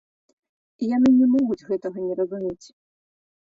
І яны не могуць гэтага не разумець.